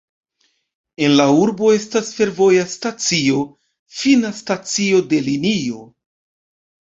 En la urbo estas fervoja stacio, fina stacio de linio.